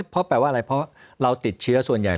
เพราะแปลว่าอะไรเพราะเราติดเชื้อส่วนใหญ่